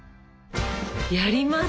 やります！